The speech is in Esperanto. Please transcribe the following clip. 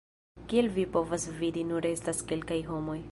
Kiel vi povas vidi nur estas kelkaj homoj